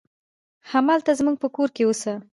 همالته زموږ په کور کې اوسه.